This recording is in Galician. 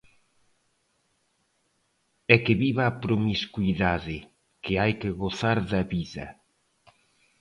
E que viva a promiscuidade, que hai que gozar da vida.